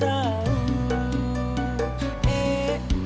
apura pura gak tau